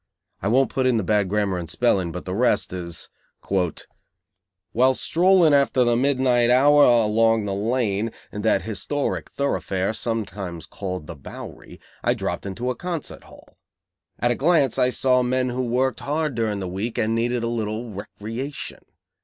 I won't put in the bad grammar and spelling, but the rest is: "While strolling, after the midnight hour, along the Lane, that historic thoroughfare sometimes called the Bowery, I dropped into a concert hall. At a glance, I saw men who worked hard during the week and needed a little recreation.